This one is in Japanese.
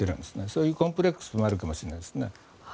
そういうコンプレックスもあるかもしれないですね。